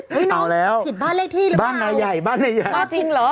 เฮ้ยน้องผิดบ้านเลขที่หรือเปล่าบ้านใหญ่บ้าจริงเหรอ